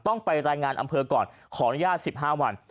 ต้องไปรายงานอำเภอก่อนขออนุญาต๑๕วัน